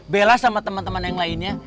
bela sama teman teman yang lainnya